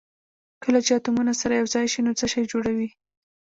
کله چې اتومونه سره یو ځای شي نو څه شی جوړوي